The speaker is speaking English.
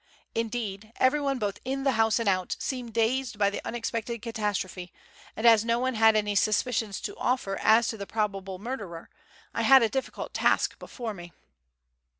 Indeed, everyone both in the house and out, seemed dazed by the unexpected catastrophe, and as no one had any suspicions to offer as to the probable murderer, I had a difficult task before me.